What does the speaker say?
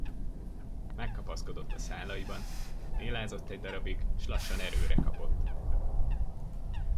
Megkapaszkodott a szálaiban; mélázott egy darabig, s lassan erőre kapott.